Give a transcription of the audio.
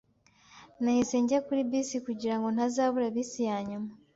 Nahise njya kuri bisi kugirango ntazabura bisi yanyuma.